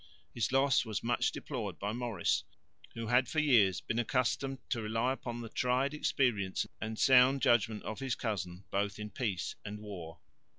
His loss was much deplored by Maurice, who had for years been accustomed to rely upon the tried experience and sound judgment of his cousin both in peace and war.